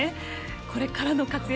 これからの活躍